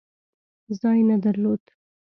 ځای نه درلود.